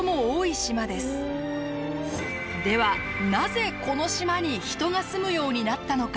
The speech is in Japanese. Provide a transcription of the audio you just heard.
ではなぜこの島に人が住むようになったのか。